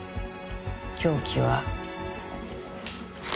凶器は。